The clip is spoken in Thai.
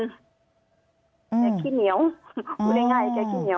แค่ขี้เหนียวรู้ได้ง่ายแค่ขี้เหนียว